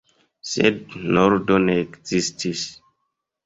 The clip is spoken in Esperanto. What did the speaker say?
Sed nordo ne ekzistis.